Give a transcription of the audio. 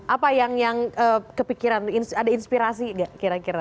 apa yang kepikiran ada inspirasi gak kira kira